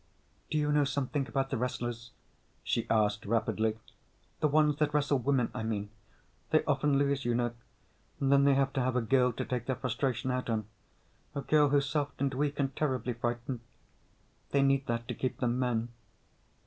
"Do you know something about the wrestlers?" she asked rapidly. "The ones that wrestle women, I mean. They often lose, you know. And then they have to have a girl to take their frustration out on. A girl who's soft and weak and terribly frightened. They need that, to keep them men.